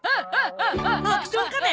アクション仮面？